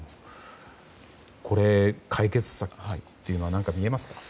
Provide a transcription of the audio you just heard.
これ、解決策というのは見えますか？